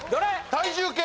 体重計！